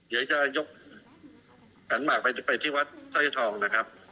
เดี๋ยวจะยกขันหมากไปที่วัดสร้อยทองนะครับ